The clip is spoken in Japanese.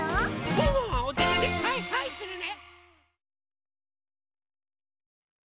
ワンワンはおててではいはいするね！